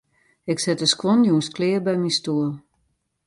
Ik set de skuon jûns klear by myn stoel.